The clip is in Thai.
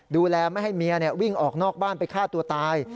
ดูแลไม่ให้เมียวิ่งออกนอกบ้านไปฆ่าตัวตาย